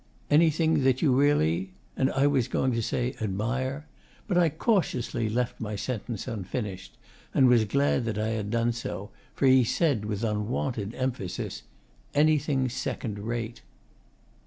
'Anything that you really' and I was going to say 'admire?' But I cautiously left my sentence unfinished, and was glad that I had done so, for he said, with unwonted emphasis, 'Anything second rate.